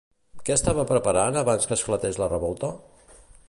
Què estava preparant abans que esclatés la revolta?